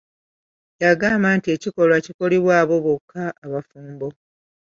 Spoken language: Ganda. Yagamba nti ekikolwa kikolebwa abo bokka abafumbo.